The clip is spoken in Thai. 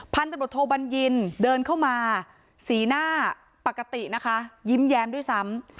พันธบทโทบัญญินเดินเข้ามาสีหน้าปกตินะคะยิ้มแย้มด้วยซ้ำ